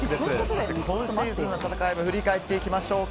そして、今シーズンの戦いを振り返っていきましょうか。